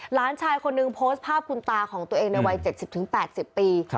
หลานชายคนนึงโพสต์ภาพคุณตาของตัวเองในวัย๗๐๘๐ปี